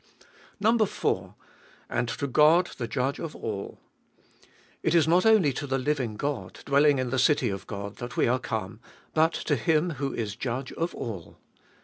4. And to God the Judge of all It is not only to the living God, dwelling in the city of God, that we are come, but to Him who is Judge of all.